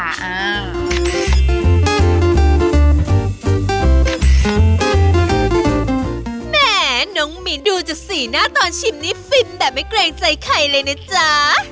แหมน้องหมีดูจะสีหน้าตอนชิมนี่ฟินแบบไม่เกรงใจใครเลยนะจ๊ะ